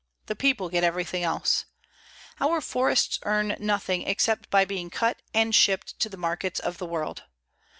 The people get everything else. Our forests earn nothing except by being cut and shipped to the markets of the world.